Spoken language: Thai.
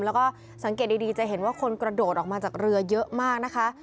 แล้วก็สังเกตดีจะเห็นว่าคนกระโดดออกมาจากเรือเยอะมากนะคะ